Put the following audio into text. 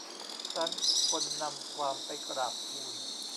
ครั้นคนนำความไปกราบทูล